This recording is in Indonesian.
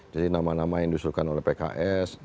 jadi nama nama yang disuruhkan oleh pks